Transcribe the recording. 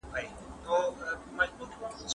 د مهر، هستوګنځي، خوراک، څيښاک سره اړه لري.